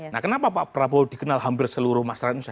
nah kenapa pak prabowo dikenal hampir seluruh masyarakat indonesia